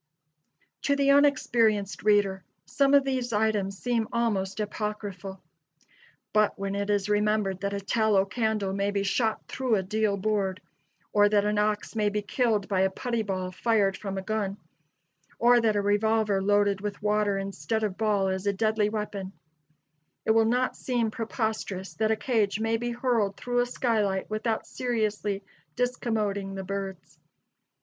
To the unexperienced reader some of these items seem almost apocryphal. But when it is remembered that a tallow candle may be shot through a deal board, or that an ox may be killed by a putty ball fired from a gun, or that a revolver loaded with water instead of ball is a deadly weapon, it will not seem preposterous that a cage may be hurled through a skylight without seriously discommoding the birds.